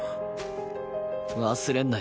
忘れんなよ。